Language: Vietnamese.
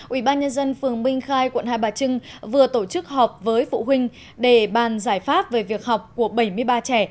ubnd phường minh khai quận hai bà trưng vừa tổ chức họp với phụ huynh để bàn giải pháp về việc học của bảy mươi ba trẻ